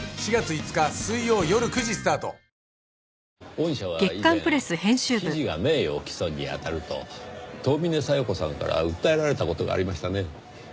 御社は以前記事が名誉毀損に当たると遠峰小夜子さんから訴えられた事がありましたね。